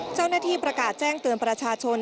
เจ้าหน้าที่ประกาศแจ้งเตือนประชาชน